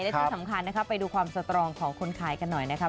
และที่สำคัญนะคะไปดูความสตรองของคนขายกันหน่อยนะครับ